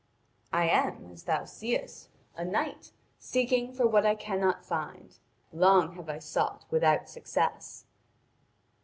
'I am, as thou seest, a knight seeking for what I cannot find; long have I sought without success.'